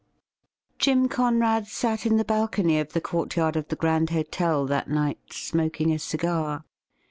Jim Conrad sat in the balcony bf the courtyard of the Grand Hotel that night smoking a cigar.